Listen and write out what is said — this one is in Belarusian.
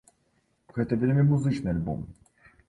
Гэта вельмі музычны альбом.